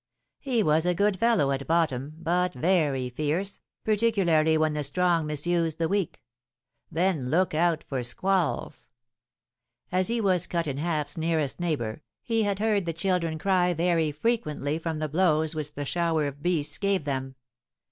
He was a good fellow at bottom, but very fierce, particularly when the strong misused the weak, then look out for squalls! As he was Cut in Half's nearest neighbour, he had heard the children cry very frequently from the blows which the shower of beasts gave them.